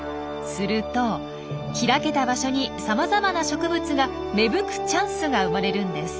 すると開けた場所にさまざまな植物が芽吹くチャンスが生まれるんです。